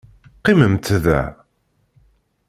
Qqimemt da.